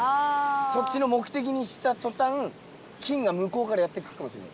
そっちの目的にしたとたん金がむこうからやって来るかもしれない。